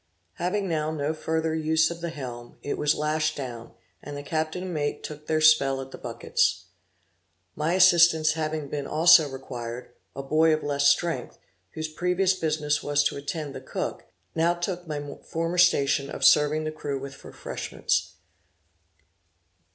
Having now no further use of the helm, it was lashed down, and the captain and mate took their spell at the buckets. My assistance having been also required, a boy of less strength, whose previous business was to attend the cook, now took my former station of serving the crew with refreshments.